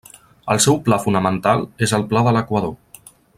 El seu pla fonamental és el pla de l'equador.